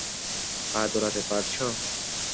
পা দোলাতে পারছো?